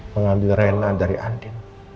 mengambil rena dari andi